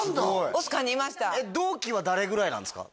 オスカーにいました同期は誰ぐらいなんですか？